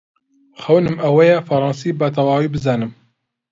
خەونم ئەوەیە فەڕەنسی بەتەواوی بزانم.